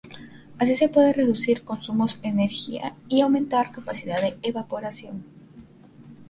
Así se puede reducir consumos energía y aumentar capacidad de evaporación.